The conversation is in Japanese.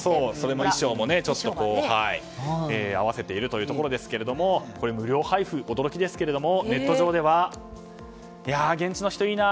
衣装も合わせているというところですが無料配布、驚きですけれどもネット上では、現地の人いいな！